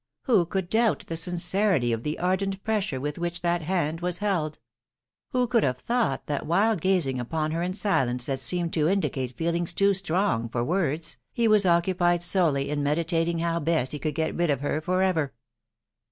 Who could doubt the sincerity of the ardent picasma with which that hand waa held ?...• Who could have thought that whfle gating upon her in silence that seemed to indicate feettnga tse strong for words, he was occupied solely in meditating; how best he could get rid of her for ever